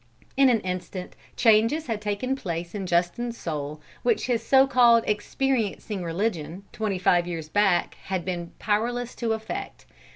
In an instant changes had taken place in Justin's soul which his so called "experiencing religion" twenty five years back had been powerless to effect.